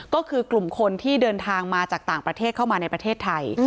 ก็คือกลุ่มคนที่เดินทางมาจากต่างประเทศเข้ามาในประเทศไทย